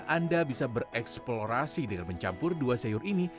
anda bisa bereksplorasi dengan mencampur dua sayur ini